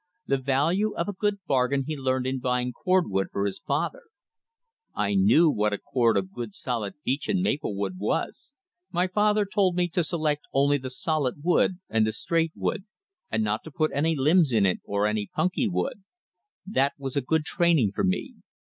The value of a good bar gain he learned in buying cord wood for his father: "I knew what a cord of good solid beech and maple wood was. My father told me to select only the solid wood and the straight wood and not to put any limbs in it or any punky wood. That was a good training for me.